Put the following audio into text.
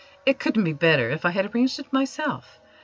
"It couldn't be better if I had arranged it myself.